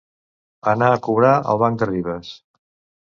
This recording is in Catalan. Anar a cobrar al banc de Ribes.